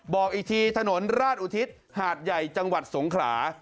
บอกอีกทีถนนราชอุทิศหาดใหญ่จังหวัดสงขลา